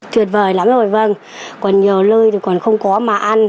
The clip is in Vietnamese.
tuyệt vời lắm rồi vâng còn nhiều lơi thì còn không có mà ăn